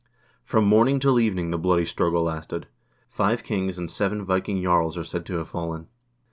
From morning till evening the bloody struggle lasted. Five kings and seven Viking jarls are said to have fallen.